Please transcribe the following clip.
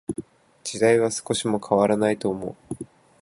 時代は少しも変らないと思う。